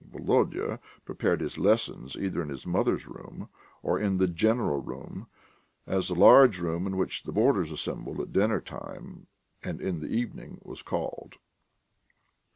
Volodya prepared his lessons either in his mother's room or in the "general room," as the large room in which the boarders assembled at dinner time and in the evening was called.